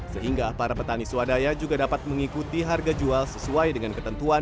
sehingga para petani swadaya juga dapat mengikuti harga jual sesuai dengan ketentuan